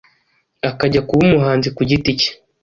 ajya kuba umuhanzi ku giti cye